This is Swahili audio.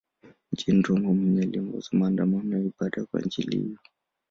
Mjini Roma mwenyewe aliongoza maandamano ya ibada kwa ajili hiyo.